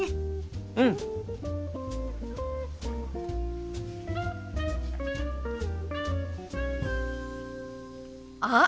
うん！あっ！